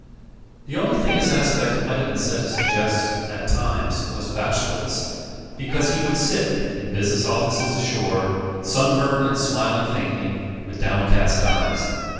The only thing his aspect might have been said to suggest, at times, was bashfulness; because he would sit, in business offices ashore, sunburnt and smiling faintly, with downcast eyes.